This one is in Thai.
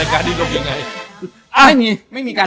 ใครไปดีเหรอ